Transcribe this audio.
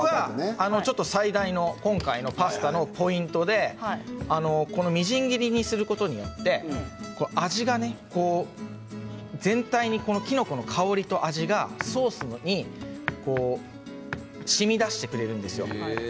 今回、最大のパスタのポイントなんですがみじん切りにすることによって味がね、全体にきのこの香りと味がソースにしみ出してくれるんですよ。